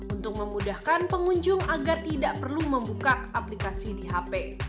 untuk memudahkan pengunjung agar tidak perlu membuka aplikasi di hp